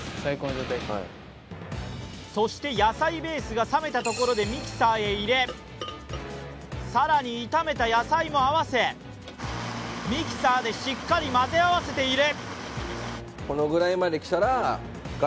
そして野菜ベースが冷めたところでミキサーに入れ、更に炒めた野菜も合わせ、ミキサーでしっかり混ぜ合わせている。